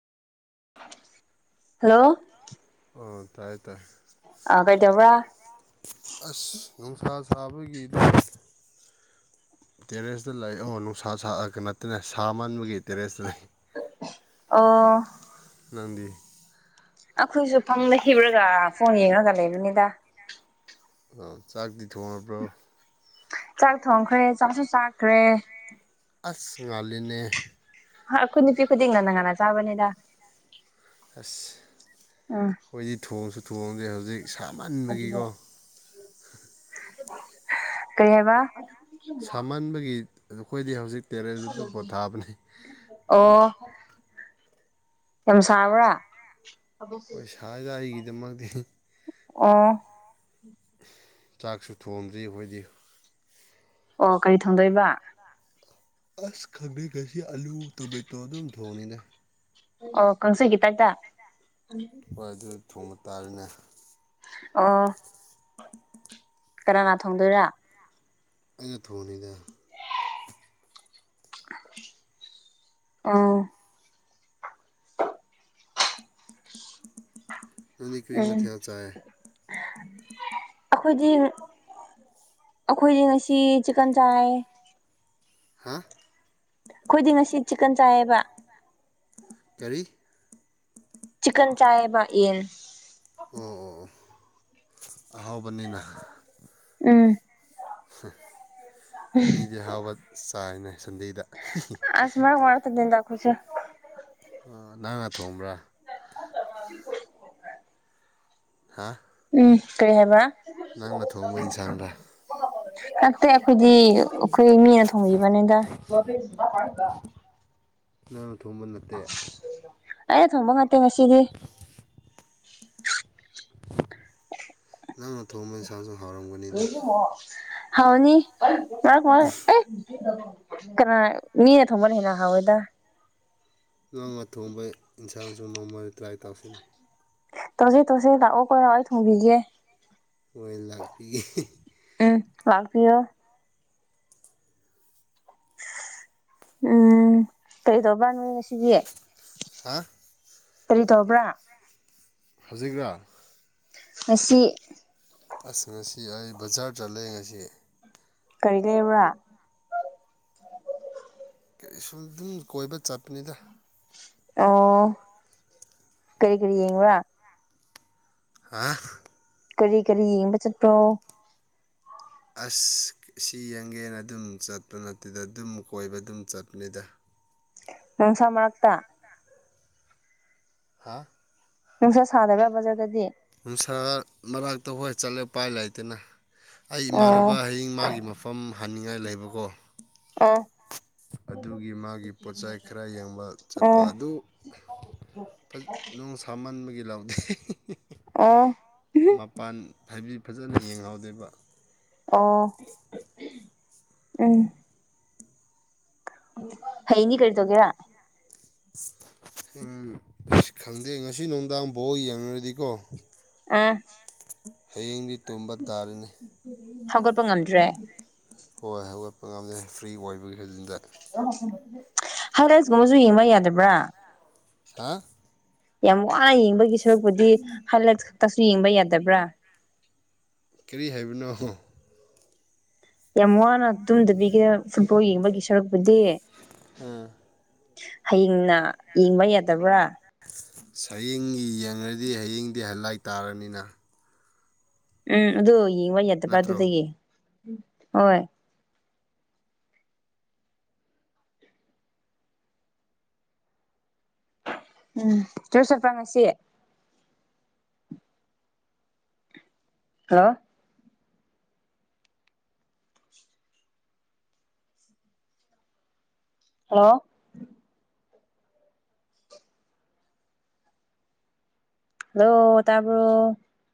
Hello hello ꯑꯣ ꯇꯥꯏ ꯇꯥꯏ ꯑꯥ ꯀꯩꯗꯧꯕ꯭ꯔꯥ ꯑ ꯀꯩꯗꯧꯕ꯭ꯔꯥ ꯑꯁ ꯅꯨꯡꯁꯥ ꯁꯥꯕꯒꯤ ꯇꯦꯔꯦꯁꯇ ꯂꯩ ꯑꯣ ꯅꯨꯡꯁꯥ ꯁꯥꯥ ꯑ ꯀꯩꯅ‌ꯣ ꯇꯅ‌ꯦ ꯁꯥꯃꯟꯕꯒꯤ ꯇꯦꯔꯦꯁꯇ ꯂꯩ ꯑꯣ ꯅꯪꯗꯤ ꯑꯩꯈꯣꯏꯁꯨ ꯐꯝꯅ ꯍꯤꯞꯂꯒ ꯐꯣꯟ ꯌꯦꯡꯉꯒ ꯂꯩꯕꯅꯤꯗ ꯑ ꯆꯥꯛꯗꯤ ꯊꯣꯡꯉꯕ꯭ꯔꯣ ꯆꯥꯛ ꯊꯣꯡꯈ꯭ꯔꯦ ꯆꯥꯛꯁꯨ ꯆꯥꯈ꯭ꯔꯦ ꯑꯁ ꯉꯜꯂꯤꯅꯦ ꯍꯥ ꯑꯩꯈꯣꯏ ꯅꯨꯄꯤ ꯈꯨꯗꯤꯡꯅ ꯉꯟꯅ ꯉꯟꯅ ꯆꯥꯕꯅꯤꯗ ꯑꯁ ꯎꯝ ꯑꯩꯈꯣꯏꯗꯤ ꯊꯣꯡꯁꯨ ꯊꯣꯡꯗꯦ ꯍꯧꯖꯤꯛ ꯁꯥꯃꯟꯕꯒꯤꯀꯣ ꯀꯩꯍꯥꯏꯕ ꯁꯥꯃꯟꯕꯒꯤ ꯑꯩꯈꯣꯏꯗꯤ ꯍꯧꯖꯤꯛ ꯇꯦꯔꯦꯁꯇ ꯄꯣꯊꯥꯕꯅꯤ ꯑꯣ ꯌꯥꯝ ꯁꯥꯕ꯭ꯔꯥ ꯍ‌ꯣꯏ ꯁꯥꯏꯗ ꯑꯩꯒꯤꯗꯃꯛꯇꯤ ꯑꯣ ꯆꯥꯛꯁꯨ ꯊꯣꯡꯗ꯭ꯔꯤ ꯑꯩꯈꯣꯏꯗꯤ ꯑꯣ ꯀꯔꯤ ꯊꯣꯡꯗꯣꯏꯕ ꯑꯁ ꯈꯪꯗ‌ꯦ ꯉꯁꯤ ꯑꯂꯨ ꯇ‌ꯣꯃ‌ꯦꯠꯇ‌ꯣ ꯑꯗꯨꯝ ꯊꯣꯡꯅꯤꯅꯦ ꯑꯣ ꯀꯥꯡꯁꯣꯏ ꯈꯤꯇꯛꯇ ꯍꯣꯏ ꯑꯗꯨ ꯊꯣꯡꯕ ꯇꯥꯔꯅꯦ ꯑ‌ꯣ ꯀꯅꯥꯅꯥ ꯊꯣꯡꯗꯣꯏꯔꯥ ꯑꯩꯅ ꯊꯣꯡꯗ‌ꯣꯏꯅ‌ꯦ ꯑꯪ [inaudible] ꯅꯪꯗꯤ ꯀꯔꯤ ꯎꯝ ꯃꯊꯦꯜ ꯆꯥꯏ ꯑꯩꯈꯣꯏꯗꯤ ꯑꯩꯈꯣꯏꯗꯤ ꯉꯁꯤ ꯆꯤꯛꯀꯟ ꯆꯥꯏ ꯍꯥ ꯈꯣꯏꯗꯤ ꯉꯁꯤ ꯆꯤꯛꯀꯟ ꯆꯥꯏꯌꯦꯕ ꯀꯔꯤ ꯆꯤꯛꯀꯟ ꯆꯥꯏꯌꯦꯕ ꯌꯦꯟ ꯎꯝ ꯎꯝ ꯎꯝ ꯑꯥꯍꯥꯎꯕꯅꯤꯅ ꯎꯝ ꯃꯤꯗꯤ ꯍꯥꯎꯕ ꯆꯥꯏꯅꯦ ꯁꯟꯗꯦꯗ ꯑꯁ ꯃꯥꯏ ꯋꯥ ꯇꯟꯗꯦꯗꯥ ꯑꯈꯣꯏꯁꯨ ꯑꯣ ꯅꯪꯅ ꯊꯣꯡꯕ꯭ꯔꯥ [unintelligible] ꯍꯥꯥ ꯎꯝ ꯀꯩ ꯍꯥꯏꯕ ꯊꯣꯡꯕ ꯏꯟꯁꯥꯡꯔꯥ ꯅꯠꯇꯦ ꯑꯩꯈꯣꯏꯗꯤ ꯑꯩꯈꯣꯏ ꯃꯤꯅ ꯊꯣꯡꯕꯤꯕꯅꯦꯗ ꯅꯪꯅ ꯊꯣꯡꯕ ꯅꯠꯇꯦ ꯑꯩꯅ ꯊꯣꯡꯕ ꯅꯠꯇꯦ ꯉꯁꯤꯗꯤ ꯅꯪꯅ ꯊꯣꯡꯕ ꯏꯟꯁꯥꯡꯗꯣ ꯍꯥꯎꯔꯝꯒꯅꯤꯗ ꯍꯥꯎꯔꯅꯤ ꯉꯥꯏꯈꯣꯍꯦ ꯑꯦ ꯀꯅꯥ ꯃꯤꯅ ꯊꯣꯡꯕꯅ ꯍꯦꯟꯅ ꯍꯥꯎꯋꯦꯗ ꯅꯪꯅ ꯊꯣꯡꯕ ꯏꯟꯁꯥꯡꯁꯨ ꯅꯣꯡꯃꯗ ꯇ꯭ꯔꯥꯏ ꯇꯧꯁꯤ ꯇꯧꯁꯦ ꯇꯧꯁꯦ ꯂꯥꯛꯑꯣ ꯀꯣ ꯑꯩ ꯊꯣꯡꯕꯤꯒꯦ ꯍꯣꯏ ꯂꯥꯛꯄꯤꯒꯦ꯫ ꯎꯝ ꯂꯥꯛꯄꯤꯌꯣ ꯎꯝ ꯀꯔꯤꯗꯧꯕꯥ ꯅꯪ ꯉꯁꯤꯒꯤ ꯍꯥ ꯀꯔꯤ ꯇꯧꯕ꯭ꯔꯥ ꯍꯧꯖꯤꯛꯔꯥ ꯉꯁꯤ ꯑꯁ ꯉꯁꯤ ꯑꯩ ꯕꯖꯥꯔ ꯆꯠꯂꯦ ꯉꯁꯤ ꯀꯔꯤ ꯂꯩꯕ꯭ꯔꯥ ꯑꯦ ꯁꯨꯝ ꯗꯨꯝ ꯀꯣꯏꯕ ꯆꯠꯄꯅꯤꯗ ꯑꯣ ꯀꯔꯤ ꯀꯔꯤ ꯌꯦꯡꯕ꯭ꯔꯥ ꯍꯥ ꯀꯔꯤ ꯀꯔꯤ ꯌꯦꯡꯕ ꯆꯠꯄ꯭ꯔꯣ ꯑꯁ ꯁꯤ ꯌꯦꯡꯒꯦꯅ ꯗꯨꯝ ꯆꯠꯄ ꯅꯠꯇꯦꯗ ꯗꯨꯝ ꯀꯣꯏꯕ ꯗꯨꯝ ꯆꯠꯄꯅꯤꯗ ꯅꯨꯡꯁꯥ ꯃꯔꯛꯇ ꯍꯥꯥ ꯅꯨꯡꯁꯥ ꯁꯥꯗꯕ꯭ꯔꯥ ꯕꯖꯥꯔꯗꯗꯤ ꯅꯨꯡꯁꯥ ꯃꯔꯥꯛꯇ ꯍꯣꯏ ꯆꯠꯂꯦ ꯄꯥꯏ ꯂꯩꯇꯦꯅ ꯑꯩ ꯑꯣ ꯏꯃꯥꯟꯅꯕ ꯍꯌꯦꯡ ꯃꯥꯒꯤ ꯃ ꯐꯝ ꯍꯟꯅꯤꯡꯉꯥꯏ ꯂꯩꯕꯀꯣ ꯑꯣ ꯑꯗꯨꯒꯤ ꯃꯥꯒꯤ ꯄꯣꯠꯆꯥꯏ ꯈꯔ ꯌꯦꯡꯕ ꯆꯠꯄ ꯑꯣ ꯑꯗꯨ ꯐꯖ ꯅꯨꯡ ꯁꯥꯃꯟꯕꯒꯤ ꯂꯥꯎꯗꯦ ꯑꯣ ꯃꯄꯥꯟ ꯍꯥꯏꯕꯤ ꯐꯖꯟꯅ ꯌꯦꯡꯍꯧꯗꯦꯕ ꯑꯣ ꯎꯝ ꯍꯌꯦꯡꯗꯤ ꯀꯔꯤ ꯇꯧꯒꯦꯔ ꯎꯝ ꯑꯁ ꯈꯪꯗꯦ ꯉꯁꯤ ꯅꯨꯡꯗꯥꯡ ꯕꯣꯜ ꯌꯦꯡꯔꯗꯤꯀꯣ ꯑꯝ ꯍꯌꯦꯡꯗꯤ ꯇꯨꯝꯕ ꯇꯥꯔꯦꯅꯦ ꯍꯧꯒꯠꯄ ꯉꯝꯗ꯭ꯔꯦ ꯍꯣꯏ ꯍꯧꯒꯠꯄ ꯉꯝꯗꯦ ꯐ꯭ꯔꯤ ꯑꯣꯏꯕꯒꯤ ꯍꯧꯖꯤꯛꯇ [unintelligible] ꯒꯝꯕꯁꯨ ꯌꯦꯡꯕ ꯌꯥꯗꯕ꯭ꯔꯥ ꯍꯥꯥ ꯌꯥꯝ ꯋꯥꯅ ꯌꯦꯡꯕꯒꯤ ꯁꯔꯨꯛꯄꯨꯗꯤ ꯍꯥꯏꯂꯥꯏꯠ ꯈꯛꯇꯁꯨ ꯌꯦꯡꯕ ꯌꯥꯗꯕ꯭ꯔꯥ ꯀꯔꯤ ꯍꯥꯏꯕꯅꯣ ꯌꯥꯝ ꯋꯥꯅ ꯇꯨꯝꯗꯕꯤꯒꯤ ꯐꯨꯠꯕꯣꯜ ꯌꯦꯡꯕꯒꯤ ꯁꯔꯨꯛꯄꯨꯗꯤ ꯑꯝ ꯍꯌꯦꯡꯅ ꯌꯦꯡꯕ ꯌꯥꯗꯕ꯭ꯔꯥ ꯍꯌꯦꯡꯒꯤ ꯌꯦꯡꯉꯗꯤ ꯍꯌꯦꯡꯗꯤ ꯍꯥꯢꯂꯥꯏꯠ ꯇꯥꯔꯅꯤꯅ ꯎꯝ ꯑꯗꯨ ꯌꯦꯡꯕ ꯌꯥꯗꯕ꯭ꯔꯥ ꯅꯠꯇ꯭ꯔꯣ ꯑꯗꯨꯗꯒꯤ ꯍꯣꯏ ꯎꯝ ꯆꯥꯔꯆ ꯆꯠꯕ꯭ꯔꯥ ꯉꯁꯤ ꯍꯜꯂꯣ ꯍꯜꯂꯣ ꯍꯜꯂꯣ ꯇꯥꯕ꯭ꯔꯣ